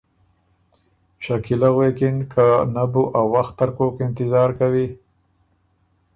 شکیلۀ ل غوېکِن که نۀ بو ا وخت ترکوک انتظار کوی